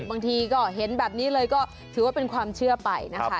บางทีก็เห็นแบบนี้เลยก็ถือว่าเป็นความเชื่อไปนะคะ